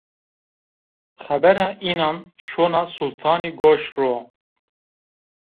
Xebera înan şona sultanî goş ro